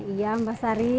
iya mbak sari